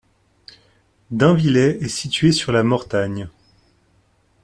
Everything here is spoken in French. Deinvillers est située sur la Mortagne.